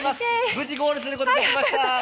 無事にゴールすることができました。